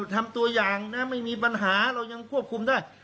ทำตัวอย่างนะไม่มีปัญหาเรายังควบคุมได้